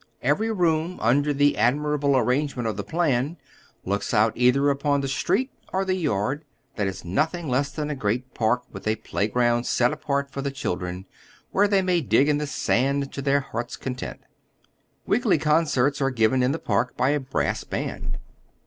Every room, under the admirable arrangement of tlie plan, looks out either upon the street or the yard, that is nothing less than a great park with a play ground set apart for the children, where they may dig in the sand to their heart's content. Weekly concerts are given in the park by a brass band.